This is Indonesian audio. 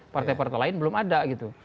partai partai lain belum ada gitu